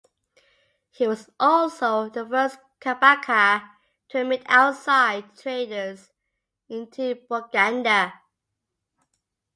He was also the first Kabaka to admit outside traders into Buganda.